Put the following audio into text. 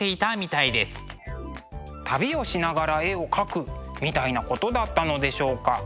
旅をしながら絵を描くみたいなことだったのでしょうか。